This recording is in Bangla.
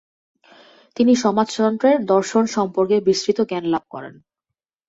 তিনি সমাজতন্ত্রের দর্শন সম্পর্কে বিস্তৃত জ্ঞান লাভ করেন।